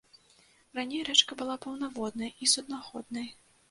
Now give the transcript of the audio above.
Раней рэчка была паўнаводнай і суднаходнай.